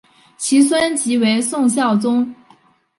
其孙即为宋孝宗。